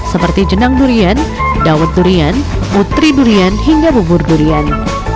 seperti jenang durian dawet durian putri durian hingga bubur durian